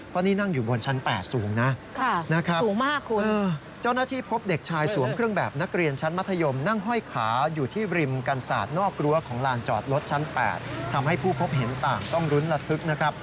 เพราะนี่นั่งอยู่บนชั้น๘สูงนะ